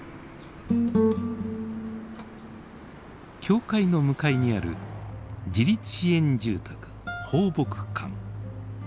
教会の向かいにある自立支援住宅「抱樸館」。